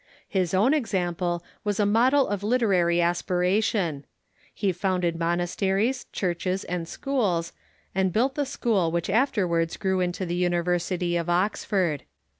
His own example was a model of literary aspiration. He founded monasteries, churches, and schools, and built the school which afterwards grew into the University of Oxford.